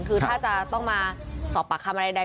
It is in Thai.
คือถ้าจะต้องมาสอบปากคำอะไรใด